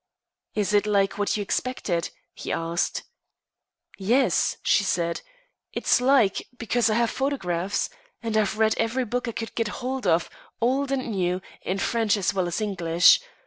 "Is it like what you expected?" he asked. "Yes," she said, "it's like, because I have photographs. And I've read every book I could get hold of, old and new, in French as well as English.